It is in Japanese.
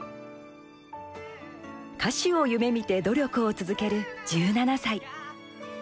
歌手を夢みて努力を続ける１７歳。